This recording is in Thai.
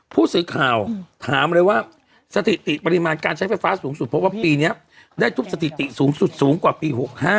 ผู้สื่อข่าวถามเลยว่าสถิติปริมาณการใช้ไฟฟ้าสูงสุดเพราะว่าปีนี้ได้ทุบสถิติสูงสุดสูงกว่าปี๖๕